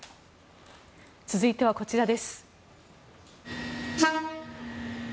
続いてはこちらです。